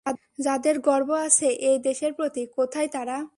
যাদের গর্ব আছে এই দেশের প্রতি, কোথায় তারা?